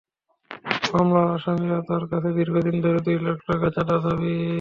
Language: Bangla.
মামলার আসামিরা তাঁর কাছে দীর্ঘদিন ধরে দুই লাখ টাকা চাঁদা দাবি করছিলেন।